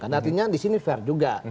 karena artinya disini fair juga